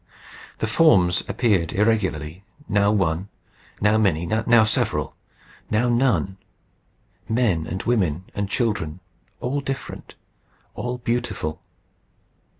The forms appeared irregularly now one, now many, now several, now none men and women and children all different, all beautiful.